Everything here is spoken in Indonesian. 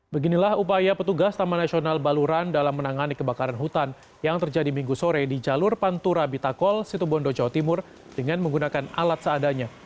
beginilah upaya petugas taman nasional baluran dalam menangani kebakaran hutan yang terjadi minggu sore di jalur pantura bitakol situbondo jawa timur dengan menggunakan alat seadanya